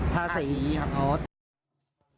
ทาสีครับ